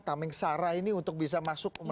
taming sarah ini untuk bisa masuk